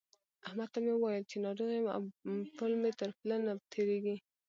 احمد ته مې وويل چې ناروغ يم او پل مې تر پله نه تېرېږي.